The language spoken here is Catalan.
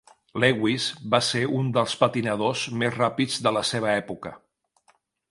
Lewis va ser un dels patinadors més ràpids de la seva època.